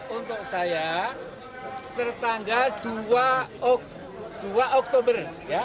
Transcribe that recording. untuk saya tertanggal dua oktober